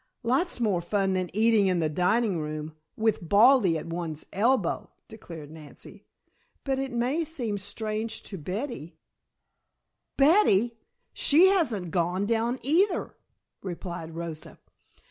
"Lots more fun than eating in the dining room with Baldy at one's elbow," declared Nancy. "But it may seem strange to Betty " "Betty! She hasn't gone down either," replied Rosa.